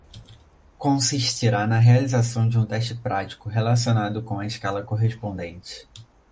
Consistirá na realização de um teste prático relacionado com a escala correspondente.